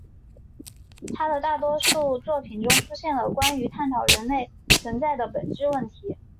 他的大多数作品中都出现了关于探讨人类存在的本质问题。